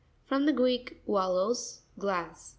—From the Greek, ualos, glass.